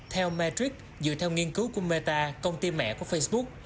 theo matrix dựa theo nghiên cứu của meta công ty mẹ của facebook